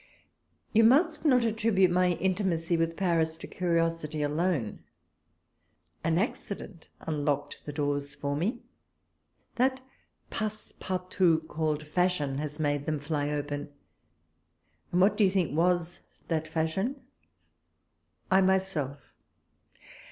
You must not attribute my intimacy with Paris to curiosity alone. An accident unlocked the doors for me. That passe par tout called the fashion has made them fly open — and what do you think was that fashion i — I myself.